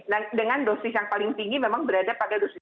dan dengan dosis yang paling tinggi memang berada pada dosis satu